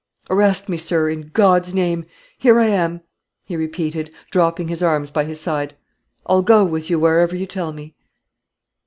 "Arrest me, sir, in God's name! here I am," he repeated, dropping his arms by his side; "I'll go with you wherever you tell me."